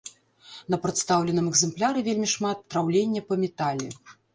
На прадстаўленым экземпляры вельмі шмат траўлення па метале.